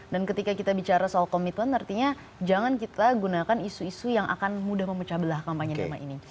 dan ketika kita bicara soal komitmen artinya jangan kita gunakan isu isu yang akan mudah mempecah belah kampanye damai ini